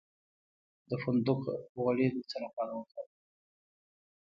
د فندق غوړي د څه لپاره وکاروم؟